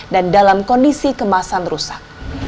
dan dalam kondisi kemasan rusak